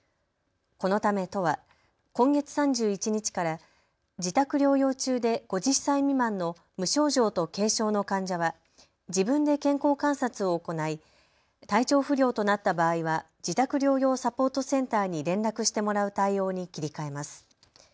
このため都は今月３１日から自宅療養中で５０歳未満の無症状と軽症の患者は自分で健康観察を行い体調不良となった場合は自宅療養サポートセンターに連絡してもらう対応に切り替えます。